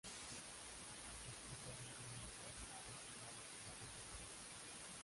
Mostró talento militar y fue asignado como jefe de campo.